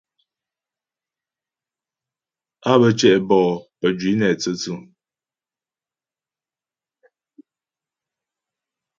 Á bə́ tyɛ' bɔ'ó pə́jwǐ nɛ tsə̌tsʉ.